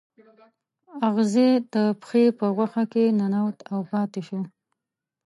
اغزی د پښې په غوښه کې ننوت او پاتې شو.